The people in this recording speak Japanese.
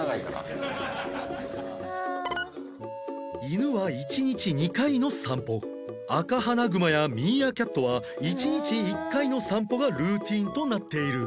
犬は１日２回の散歩アカハナグマやミーアキャットは１日１回の散歩がルーティンとなっている